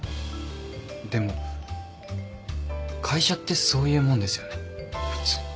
でも会社ってそういうもんですよね普通。